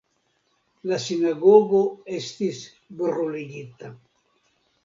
La sinagogo estis bruligita.